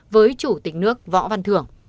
với chủ tịch nước võ văn thưởng